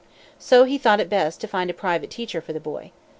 So he thought it best to find a private teacher for the boy.